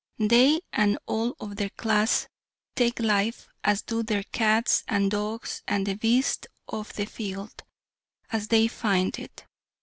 They and all of their class take life, as do their cats and dogs and the beasts of the field, as they find it.